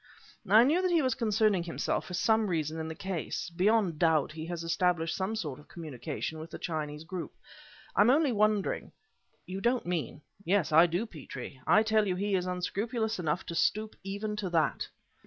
"I knew that he was concerning himself, for some reason, in the case. Beyond doubt he has established some sort of communication with the Chinese group; I am only wondering " "You don't mean " "Yes I do, Petrie! I tell you he is unscrupulous enough to stoop even to that."